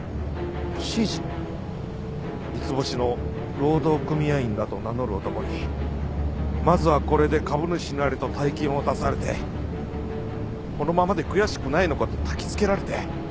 三ツ星の労働組合員だと名乗る男にまずはこれで株主になれと大金を渡されてこのままで悔しくないのかとたきつけられて